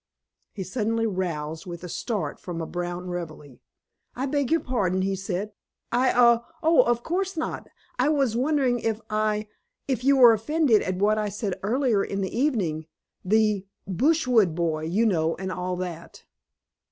He suddenly roused with a start from a brown reverie. "I beg your pardon," he said, "I oh, of course not! I was wondering if I if you were offended at what I said earlier in the evening; the Brushwood Boy, you know, and all that."